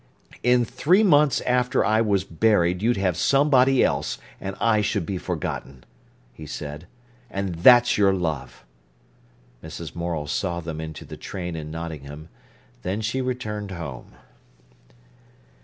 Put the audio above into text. "In three months after I was buried you'd have somebody else, and I should be forgotten," he said. "And that's your love!" Mrs. Morel saw them into the train in Nottingham, then she returned home.